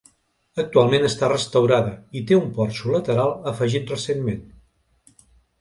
Actualment està restaurada i té un porxo lateral afegit recentment.